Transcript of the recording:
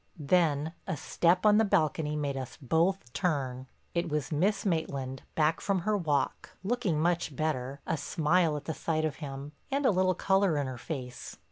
Then a step on the balcony made us both turn. It was Miss Maitland, back from her walk, looking much better, a smile at the sight of him, and a little color in her face.